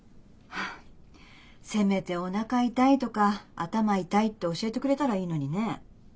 はあせめておなか痛いとか頭痛いって教えてくれたらいいのにね。